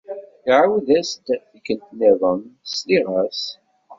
Iɛawed-as-d tikkelt-nniḍen, sliɣ-as.